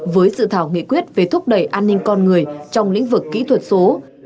với dự thảo nghị quyết về thúc đẩy an ninh con người trong lĩnh vực kỹ thuật số